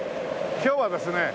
今日はですね